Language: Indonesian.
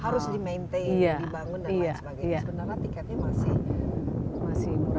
harus di maintain dibangun dan lain sebagainya